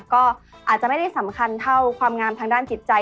ก็อาจจะไม่ได้สำคัญเท่าความงามทางด้านจิตใจ